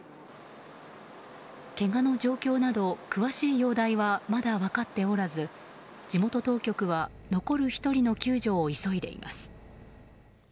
けがの状況など詳しい容体はまだ分かっておらず地元当局は残る１人の救助を急いでいます。